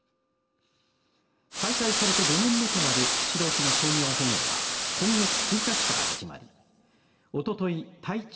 再開されて５年目となる釧路沖の商業捕鯨は今月１日から始まりおととい体長